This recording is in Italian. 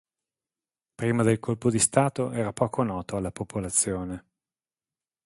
Prima del colpo di Stato era poco noto alla popolazione.